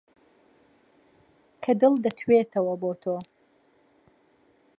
کە دڵ دەتوێتەوە بۆ تۆ